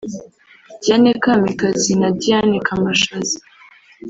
Diane Kamikazi na Diane Kamashazi